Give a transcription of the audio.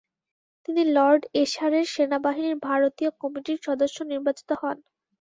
তিনি লর্ড এশারের সেনাবাহিনীর ভারতীয় কমিটির সদস্য নির্বাচিত হন।